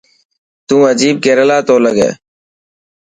تان عجيب ڪريلا تو لگي.